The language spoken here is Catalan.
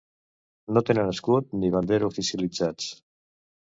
No tenen escut ni bandera oficialitzats: